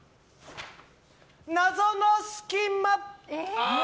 謎の隙間！